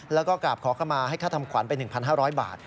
แล้วก็กราบขอเข้ามาให้ค่าทำขวัญไป๑๕๐๐บาท